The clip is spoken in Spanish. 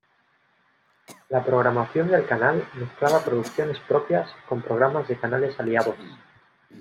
La programación del canal mezclaba producciones propias con programas de canales aliados.